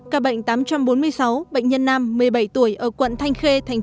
ca bệnh tám trăm bốn mươi sáu bệnh nhân nam một mươi bảy tuổi ở quận thanh khê tp đà nẵng